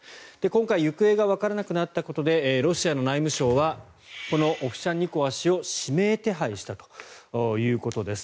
今回、行方がわからなくなったことでロシアの内務省はこのオフシャンニコワ氏を指名手配したということです。